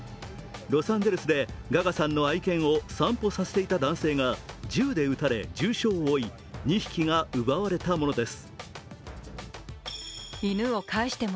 ロサンゼルスでガガさんの愛犬を散歩させていた男性が銃で撃たれ重傷を負い、２匹が奪われたものです。